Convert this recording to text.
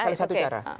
salah satu cara